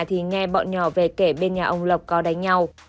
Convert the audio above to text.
thì nghe bọn nhỏ về kể bên nhà ông lộc có đánh nhau